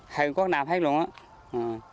hơn quốc nam hết luôn đó